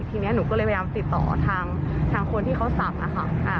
ทีนี้หนูก็เลยพยายามติดต่อทางคนที่เขาสั่งอะค่ะ